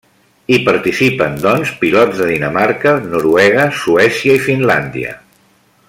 Hi participen, doncs, pilots de Dinamarca, Noruega, Suècia i Finlàndia.